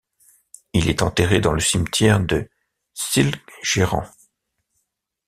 Il est enterré dans le cimetière de Cilgerran.